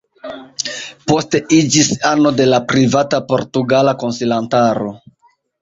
Poste iĝis ano de la Privata Portugala Konsilantaro.